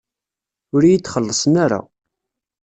Ur iyi-d-xellṣen ara.